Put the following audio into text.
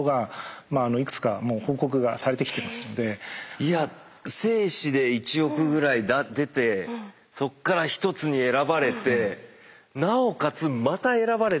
いや精子で１億ぐらい出てそっから１つに選ばれてなおかつまた選ばれてるわけですね。